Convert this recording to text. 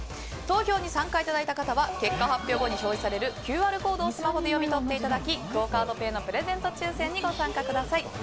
投票に参加いただいた方は結果発表後に表示されるＱＲコードをスマホで読み取っていただきクオ・カードペイのプレゼント抽選にご参加ください。